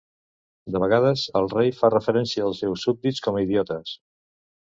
De vegades, el rei fa referència als seus súbdits com a "idiotes".